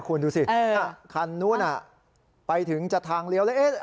คุณดูสิคันนู้นไปถึงจากทางเลี้ยวเลย